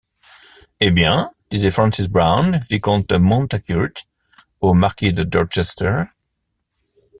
Eh bien ? disait Francis Brown, vicomte Mountacute, au marquis de Dorchester.